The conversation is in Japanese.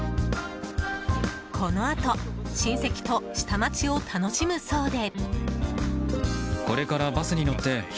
このあと親戚と下町を楽しむそうで。